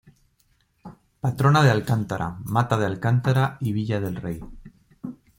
Patrona de Alcántara, Mata de Alcántara y Villa del Rey.